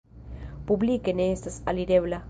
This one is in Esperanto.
Publike ne estas alirebla.